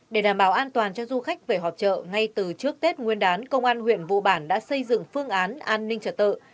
để đảm bảo an toàn cho du khách về họp chợ ngay từ trước tết nguyên đán công an huyện vụ bản đã xây dựng phương án an ninh trật tự